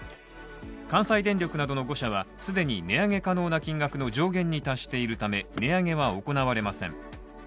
関西電力などの５社は既に値上げ可能な金額の上限に達しているため、値上げは行われません。